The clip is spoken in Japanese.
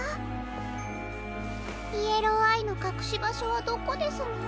イエローアイのかくしばしょはどこですの？